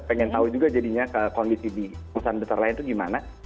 pengen tahu juga jadinya kondisi di perusahaan besar lain itu gimana